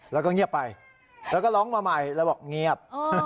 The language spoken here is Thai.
แล้วก็เงียบไปแล้วก็ร้องมาใหม่แล้วบอกเงียบ